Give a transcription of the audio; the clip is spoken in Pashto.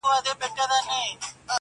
سپين لاسونه د ساقي به چيري وېشي؛